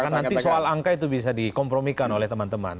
karena nanti soal angka itu bisa dikompromikan oleh teman teman